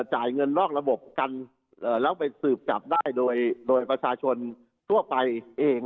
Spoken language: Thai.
จ่ายเงินนอกระบบกันแล้วไปสืบจับได้โดยโดยประชาชนทั่วไปเอง